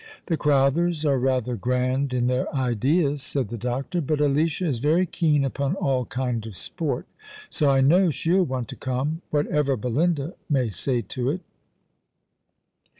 " The Crowthers arc rather grand in their ideas," said the doctor, " but Alicia is very keen upon all kind of sport, so I know she'll want to come, whatever Belinda may say to it."